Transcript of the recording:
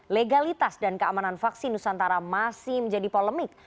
legalitas dan keamanan vaksin nusantara masih menjadi polemik